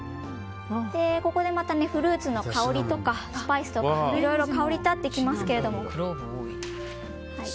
ここでフルーツの香りとかスパイスとかいろいろ香り立ってきますけど。